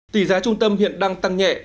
tỷ giá trung tâm hiện đang tăng nhẹ